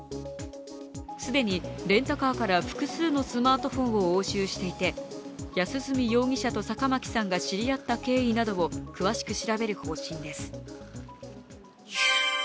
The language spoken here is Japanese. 既にレンタカーから複数のスマートフォンを押収していて安栖容疑者と坂巻さんが知り合った経緯などを詳しく調べる方針です。